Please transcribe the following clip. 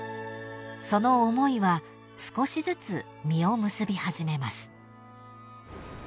［その思いは少しずつ実を結び始めます］